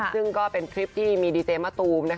ซึ่งก็เป็นคลิปที่มีดีเจมะตูม